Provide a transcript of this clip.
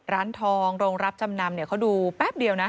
ร้านทองโรงรับจำนำเนี่ยเขาดูแป๊บเดียวนะ